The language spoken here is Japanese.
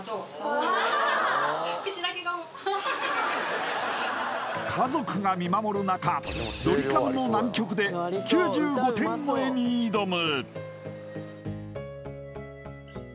おお家族が見守る中ドリカムの難曲で９５点超えに挑む！